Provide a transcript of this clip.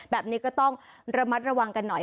แบบนี้ก็ต้องระมัดระวังกันหน่อย